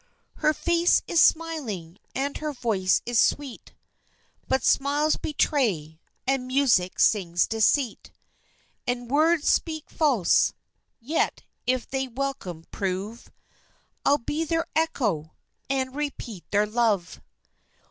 "Her face is smiling, and her voice is sweet; But smiles betray, and music sings deceit; And words speak false; yet, if they welcome prove, I'll be their echo, and repeat their love."